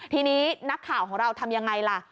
ทีนี้นักข่าวของเราทำยังไงล่ะ